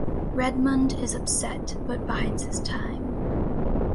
Redmond is upset, but bides his time.